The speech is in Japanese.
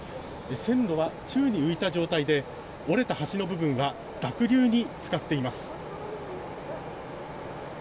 線路は宙に浮いた状態で折れた橋の部分は濁流に浸かっています。